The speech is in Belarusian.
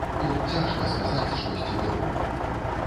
Тут цяжка сказаць штосьці добрае.